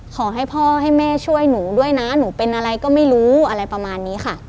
ขอให้พ่อให้แม่ช่วยหนูด้วยนะหนูเป็นอะไรก็ไม่รู้อะไรประมาณนี้ค่ะ